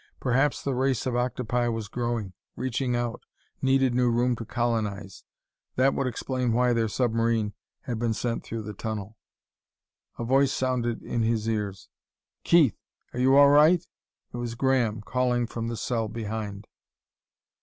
Perhaps the race of octopi was growing, reaching out; needed new room to colonize. That would explain why their submarine had been sent through the tunnel.... A voice sounded in his ears: "Keith? Are you all right?" It was Graham, calling from the cell behind.